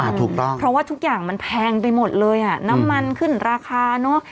ถูกต้องเพราะว่าทุกอย่างมันแพงไปหมดเลยอ่ะน้ำมันขึ้นราคาเนอะ